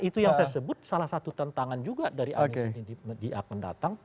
itu yang saya sebut salah satu tantangan juga dari anies yang akan datang